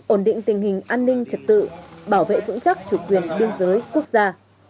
ổn định tình hình an ninh trật tự bảo vệ vững chắc chủ quyền biên giới quốc gia